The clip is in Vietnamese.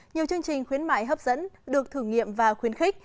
nhiều chương trình khuyến mại hấp dẫn được thử nghiệm và khuyến khích